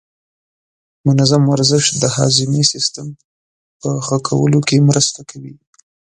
منظم ورزش د هاضمې سیستم په ښه کولو کې مرسته کوي.